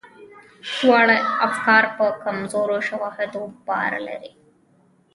دواړه افکار په کمزورو شواهدو باور لري.